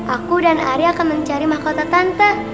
aku dan ari akan mencari mahkota tanpa